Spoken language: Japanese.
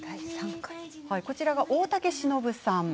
こちらは、大竹しのぶさん。